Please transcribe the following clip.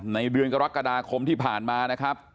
เดือนกรกฎาคมที่ผ่านมานะครับ